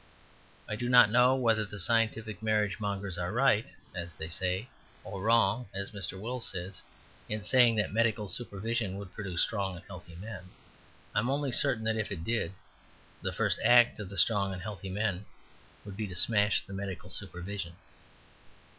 I do not know whether the scientific marriage mongers are right (as they say) or wrong (as Mr. Wells says) in saying that medical supervision would produce strong and healthy men. I am only certain that if it did, the first act of the strong and healthy men would be to smash the medical supervision.